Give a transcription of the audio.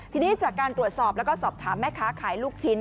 ทีนี้จากการตรวจสอบแล้วก็สอบถามแม่ค้าขายลูกชิ้น